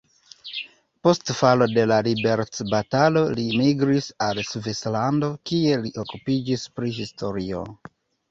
Post falo de la liberecbatalo li migris al Svislando, kie li okupiĝis pri historio.